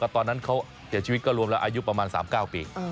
ตอนนั้นเขาเสียชีวิตก็รวมแล้วอายุประมาณ๓๙ปี